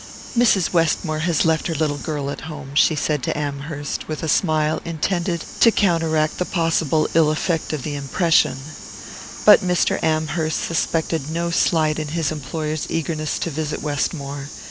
"Mrs. Westmore has left her little girl at home," she said to Amherst, with a smile intended to counteract the possible ill effect of the impression. But Amherst suspected no slight in his employer's eagerness to visit Westmore.